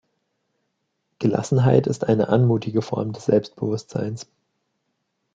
Gelassenheit ist eine anmutige Form des Selbstbewusstseins.